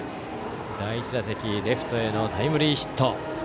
第１打席、レフトへのタイムリーヒット。